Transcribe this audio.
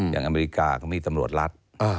อเมริกาก็มีตำรวจรัฐ